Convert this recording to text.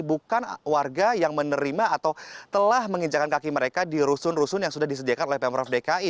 bukan warga yang menerima atau telah menginjakan kaki mereka di rusun rusun yang sudah disediakan oleh pemprov dki